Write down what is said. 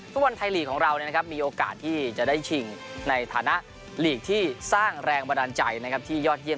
ฟุตบอลไทยลีกของเรามีโอกาสที่จะได้ชิงในฐานะลีกที่สร้างแรงบันดาลใจที่ยอดเยี่